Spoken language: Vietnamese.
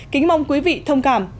kính mong quý vị thông cảm